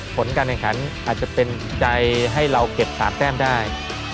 ผลการแข่งขันอาจจะเป็นใจให้เราเก็บ๓แต้มได้